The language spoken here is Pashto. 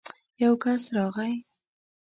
يو کس راغی.